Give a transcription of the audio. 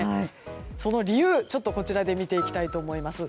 その理由をこちらで見ていきたいと思います。